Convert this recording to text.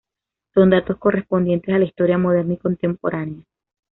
Son datos correspondientes a la historia moderna y contemporánea.